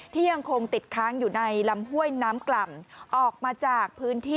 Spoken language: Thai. ยังคงติดค้างอยู่ในลำห้วยน้ำกล่ำออกมาจากพื้นที่